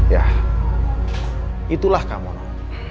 ya itulah kamu no